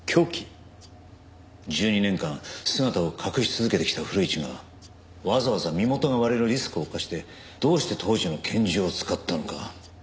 １２年間姿を隠し続けてきた古市がわざわざ身元が割れるリスクを冒してどうして当時の拳銃を使ったのか。